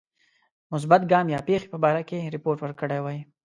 مثبت ګام یا پیښی په باره کې رپوت ورکړی وای.